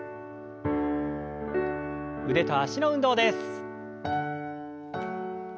腕と脚の運動です。